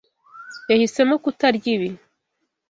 Yahisemo kutarya ibi